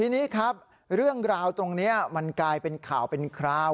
ทีนี้ครับเรื่องราวตรงนี้มันกลายเป็นข่าวเป็นคราว